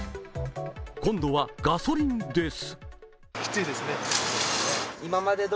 今度はガソリンです。